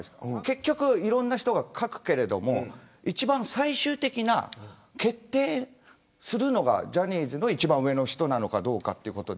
結局いろんな人が書くけど一番最終的な決定するのがジャニーズの一番上の人なのかどうか。